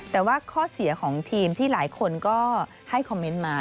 แต่ว่าข้อเสียของทีมที่หลายคนก็ให้คอมเมนต์มา